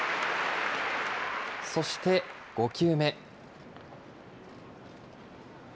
そして５球目。